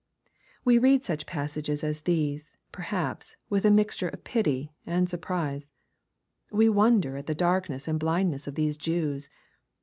'' We read such passages as these, perhaps, with a mix ture of pity and surprise. We wonder at the darkness and blindness of these Jews.